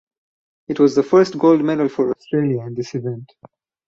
It was the first gold medal for Australia in this event.